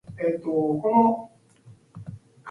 He died at Pimpeneau near Blois.